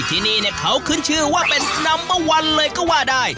ที่นี่เนี่ยเขาขึ้นชื่อว่าเป็นนัมเบอร์วันเลยก็ว่าได้